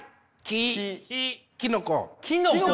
きのこ！？